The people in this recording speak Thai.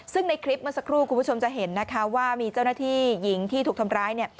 ซึ่งในคลิปเมื่อสักครู่คุณผู้ชมจะเห็นนะคะว่ามีเจ้าหน้าที่หญิงที่ถูกทำร้ายเนี่ย